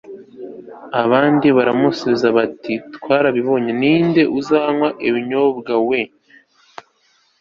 abandi baramusubiza bati twarabibonye. ninde uzanywa ibinyobwa? we